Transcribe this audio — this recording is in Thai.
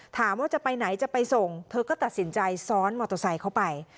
ถามว่าจะไปไหนจะไปส่งเธอก็ตัดสินใจซ้อนมอเตอร์ไซค์เข้าไป